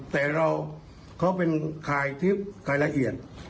แต่เราเขาเป็นขายทริปขายละเอียด